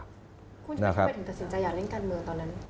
คุณทำไมถึงตัดสินใจอยากเล่นการเมืองตอนนั้น